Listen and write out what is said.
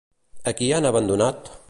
A qui han abandonat?